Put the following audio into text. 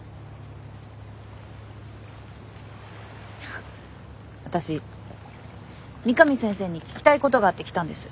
あっ私三上先生に聞きたいことがあって来たんです。